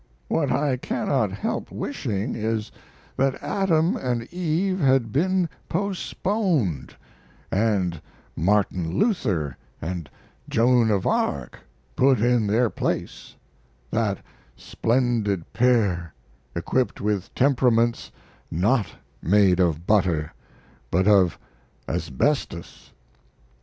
What I cannot help wishing is, that Adam and Eve had been postponed, and Martin Luther and Joan of Arc put in their place that splendid pair equipped with temperaments not made of butter, but of asbestos.